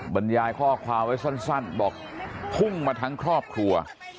บรรยายข้อความไว้สั้นบอกพุ่งมาทั้งครอบครัว